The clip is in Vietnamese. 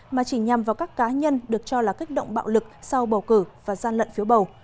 mà chỉ nhằm vào các cá nhân được cho là kích động bạo lực sau bầu cử và gian lận phiếu bầu